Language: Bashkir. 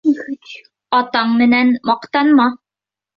Атаң менән маҡтанма